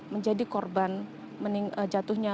menjadi korban jatuhnya